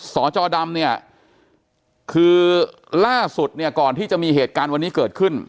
จจดำเนี่ยคือล่าสุดเนี่ยก่อนที่จะมีเหตุการณ์วันนี้เกิดขึ้น